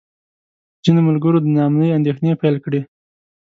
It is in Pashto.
ځینو ملګرو د نا امنۍ اندېښنې پیل کړې.